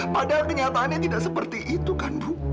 padahal kenyataannya tidak seperti itu kan bu